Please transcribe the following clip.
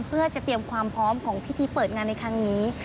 เพื่อจะเตรียมความพร้อมของพิธีเปิดงานในครั้งนี้